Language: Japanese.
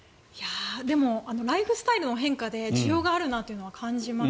でもライフスタイルの変化で需要があるなというのは感じます。